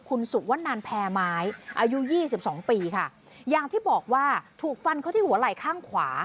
คุณสุวนันแพรไม้อายุยี่สิบสองปีค่ะอย่างที่บอกว่าถูกฟันเขาที่หัวไหล่ข้างขวา